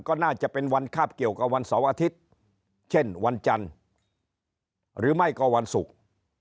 ก็น่าจะเป็นวันคาบเกี่ยวกับวันเสาร์อาทิตย์เช่นวันจันทร์หรือไม่ก็วันศุกร์